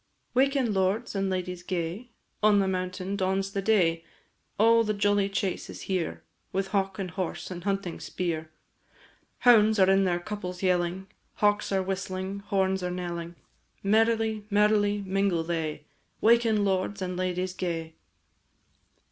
Waken, lords and ladies gay, On the mountain dawns the day, All the jolly chase is here, With hawk, and horse, and hunting spear! Hounds are in their couples yelling, Hawks are whistling, horns are knelling, Merrily, merrily, mingle they "Waken, lords and ladies gay."